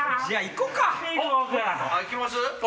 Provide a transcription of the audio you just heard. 行きます？